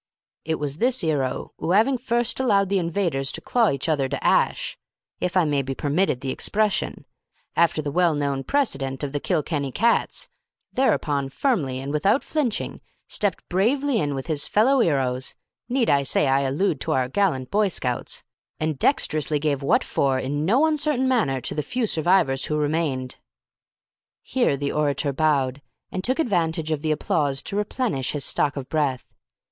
It was this 'ero who, 'aving first allowed the invaders to claw each other to 'ash (if I may be permitted the expression) after the well known precedent of the Kilkenny cats, thereupon firmly and without flinching, stepped bravely in with his fellow 'eros need I say I allude to our gallant Boy Scouts? and dexterously gave what for in no uncertain manner to the few survivors who remained." Here the orator bowed, and took advantage of the applause to replenish his stock of breath.